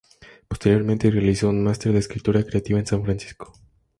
Posteriormente realizó un "master" de escritura creativa en San Francisco.